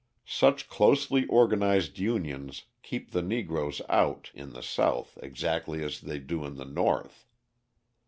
Such closely organised unions keep the Negroes out in the South exactly as they do in the North.